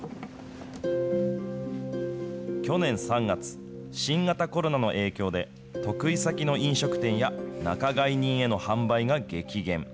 去年３月、新型コロナの影響で、得意先の飲食店や仲買人への販売が激減。